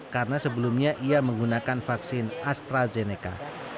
karena sebelumnya ia menggunakan vaksin astrazeneca